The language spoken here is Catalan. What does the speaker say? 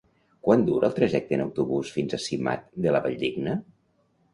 Quant dura el trajecte en autobús fins a Simat de la Valldigna?